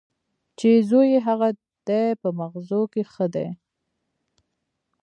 چې زوی یې هغه دی په مغزو کې ښه دی.